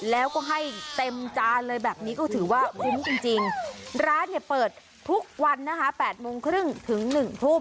แล้วก็ให้เต็มจานเลยแบบนี้ก็ถือว่าคุ้มจริงร้านเนี่ยเปิดทุกวันนะคะ๘โมงครึ่งถึง๑ทุ่ม